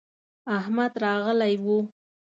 احمد راغلی و.